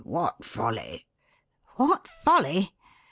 What folly?" "'What folly?'